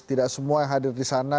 tidak semua hadir di sana